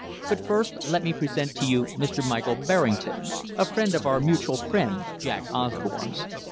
"But first let me present to you Mr. Michael Berrington, a friend of our mutual friend Jack Osborne's."